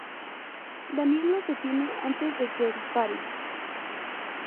Daniel los detiene antes de que disparen.